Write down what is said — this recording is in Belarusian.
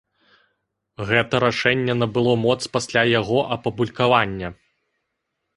Гэта рашэнне набыло моц пасля яго апублікавання.